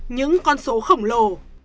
những con số khổng lồ